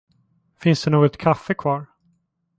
Fanns det något kaffe kvar?